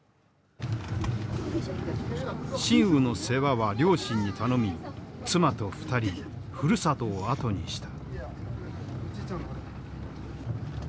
新雨の世話は両親に頼み妻と２人ふるさとを後にした。